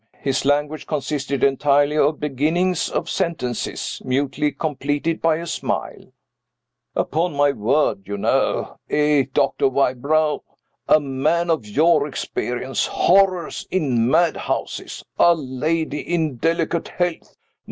His language consisted entirely of beginnings of sentences, mutely completed by a smile. "Upon my word, you know. Eh, Doctor Wybrow? A man of your experience. Horrors in madhouses. A lady in delicate health.